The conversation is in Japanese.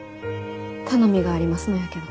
頼みがありますのやけど。